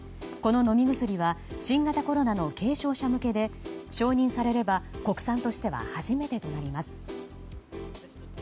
この飲み薬は新型コロナの軽症者向けで承認されれば国産としては初めてとなります。